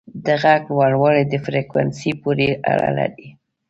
د غږ لوړوالی د فریکونسي پورې اړه لري.